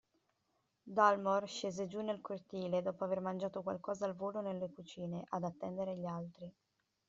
Dalmor scese giù nel cortile, dopo aver mangiato qualcosa al volo nelle cucine, ad attendere gli altri.